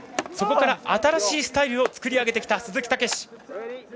そこから新しいスタイルを作り上げてきた鈴木猛史。